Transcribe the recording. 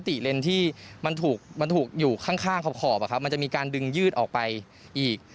ติเลนที่มันถูกมันถูกอยู่ข้างขอบมันจะมีการดึงยืดออกไปอีก